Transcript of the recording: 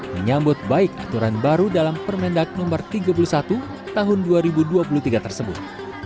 menyambut baik aturan baru dalam permendak no tiga puluh satu tahun dua ribu dua puluh tiga tersebut